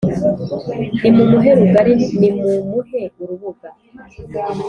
Nimumuhe rugari: nimumuhe urubuga.